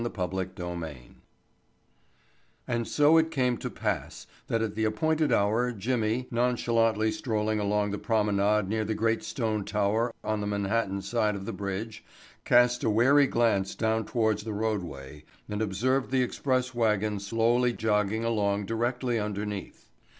Chapter Seven And so it came to pass that at the appointed hour Jimmy, nonchalantly strolling along the promenade near the great stone tower on the Manhattan side of the bridge, cast a wary glance down towards the roadway and observed the express wagon slowly jogging along directly underneath.